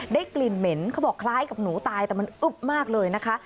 กลิ่นเหม็นเขาบอกคล้ายกับหนูตายแต่มันอึ๊บมากเลยนะคะ